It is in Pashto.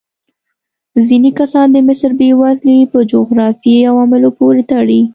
ځینې کسان د مصر بېوزلي په جغرافیايي عواملو پورې تړي.